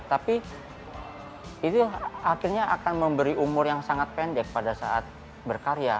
tapi itu akhirnya akan memberi umur yang sangat pendek pada saat berkarya